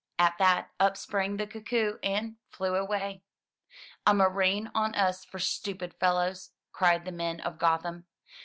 At that, up sprang the cuckoo and flew away. "A murrain on us for stupid fellows," cried the men of Gotham.